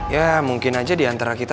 ya mungkin aja diantara kita